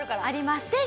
あります。